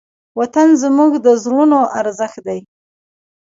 وطن زموږ د زړونو ارزښت دی.